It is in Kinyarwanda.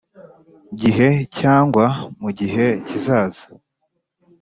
Gihe cyangwa mu gihe kizaza